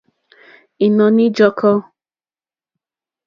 Ìnɔ̀ní ǃjɔ́kɔ́.